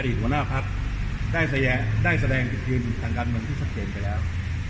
อดีตหัวหน้าพลักษณ์ได้แสดงติดยืนทางการเมืองที่ทักเกณฑ์ไปแล้ว